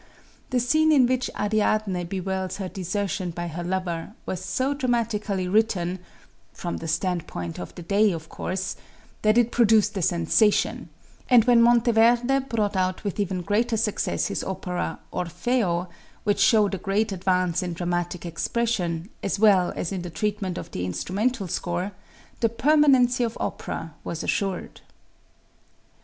The scene in which Ariadne bewails her desertion by her lover was so dramatically written (from the standpoint of the day, of course) that it produced a sensation, and when Monteverde brought out with even greater success his opera "Orfeo," which showed a great advance in dramatic expression, as well as in the treatment of the instrumental score, the permanency of opera was assured.